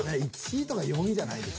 １位とか４位じゃないよ。